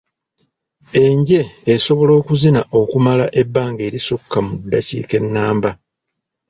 Enje esobola okuzina okumala ebbanga erisukka mu ddakiika ennamba.